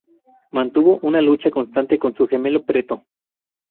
Mantuvo una lucha constante con su gemelo Preto.